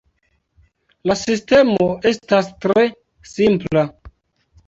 La sistemo estas tre simpla.